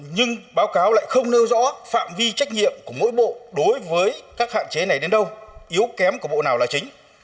nhưng báo cáo lại không nêu rõ phạm vi trách nhiệm của mỗi bộ đối với các hạn chế này đến đâu yếu kém của bộ nào là chính